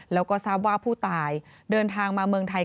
แล้วก็ทราบว่าผู้ตายเดินทางมาเมืองไทย